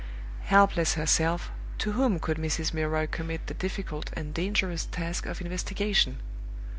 Helpless herself, to whom could Mrs. Milroy commit the difficult and dangerous task of investigation?